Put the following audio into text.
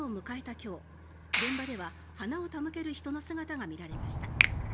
今日現場では花を手向ける人の姿が見られました。